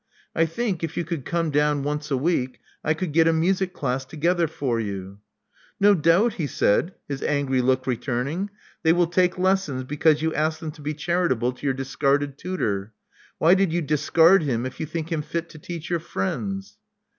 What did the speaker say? I think, if you could come down once a week, I could get a music class together for you." No doubt," he said, his angry look returning. They will take lessons because you ask them to be charitable to your discarded tutor. Why did you discard him if you think him fit to teach your friends?"